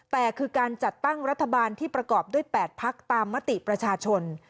แต่คือการจัดตั้งรัฐบาลที่ประกอบด้วย๘พักตามมติประชาชน